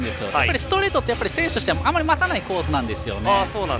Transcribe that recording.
ストレートって選手としてはあまり待たないコースなんですね。